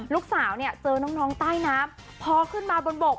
ลูกสาวเนี่ยเจอน้องใต้น้ำพอขึ้นมาบนบก